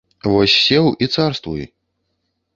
Вось сеў і царствуй.